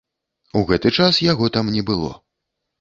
У гэты час яго там не было.